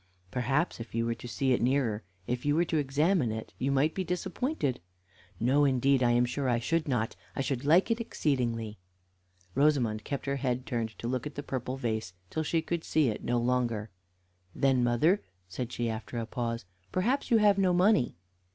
"Perhaps if you were to see it nearer, if you were to examine it you might be disappointed." "No, indeed, I'm sure I should not; I should like it exceedingly." Rosamond kept her head turned to look at the purple vase, till she could see it no longer. "Then, mother," said she, after a pause, "perhaps you have no money."